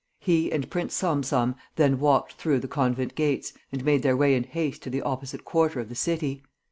He and Prince Salm Salm then walked through the convent gates and made their way in haste to the opposite quarter of the city.